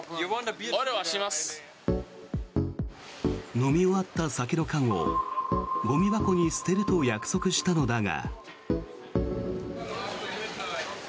飲み終わった酒の缶をゴミ箱に捨てると約束したのだが。